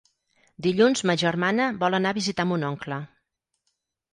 Dilluns ma germana vol anar a visitar mon oncle.